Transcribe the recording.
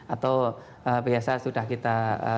atau biasa sudah kita